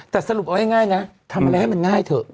แต่สรุปเอาง่ายนะทำอะไรให้มันง่ายเถอะ